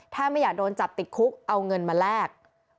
ถ้าไม่อยากโดนจับติดคุกเอาเงินมาแลก